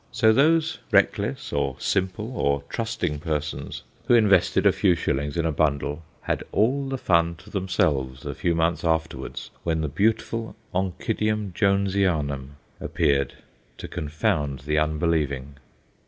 So those reckless or simple or trusting persons who invested a few shillings in a bundle had all the fun to themselves a few months afterwards, when the beautiful Oncidium Jonesianum appeared, to confound the unbelieving.